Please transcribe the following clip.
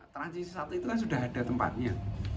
transisi satu itu kan sudah ada tempatnya